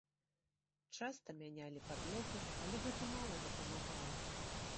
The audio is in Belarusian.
Часта мянялі падлогу, але гэта мала дапамагала.